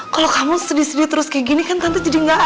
kalau kamu sedih sedih terus kayak gini kan tante jadi gak